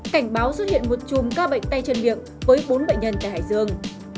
cảnh báo xuất hiện một chùm ca bệnh tay chân miệng với bốn bệnh nhân tại hải dương